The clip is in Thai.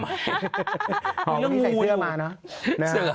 มีเรื่องงูอยู่